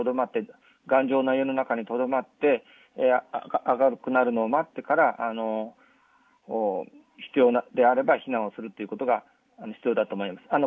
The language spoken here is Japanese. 家の中にとどまって明るくなるのを待ってから必要であれば避難をするということが必要だと思います。